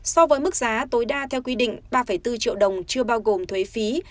so với mức giá tối đa theo quy định ba bốn triệu đồng chưa bao gồm thuế phí